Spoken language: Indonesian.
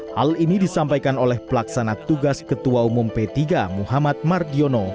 hal ini disampaikan oleh pelaksana tugas ketua umum p tiga muhammad mardiono